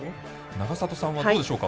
永里さんはどうでしょうか。